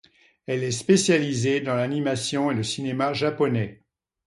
Elle est spécialisée dans l'animation et le cinéma japonais.